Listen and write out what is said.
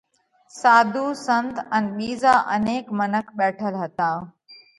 ساڌُو، سنت ان ٻِيزا انيڪ منک ٻيٺل هتا۔